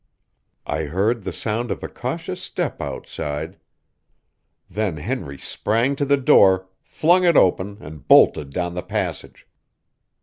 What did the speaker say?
I heard the sound of a cautious step outside. Then Henry sprang to the door, flung it open, and bolted down the passage.